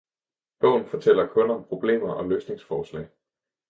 Bogen fortæller kun om problemer og løsningsforslag.